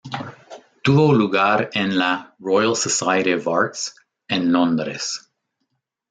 Tuvo lugar en la Royal Society of Arts en Londres.